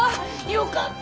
よかった！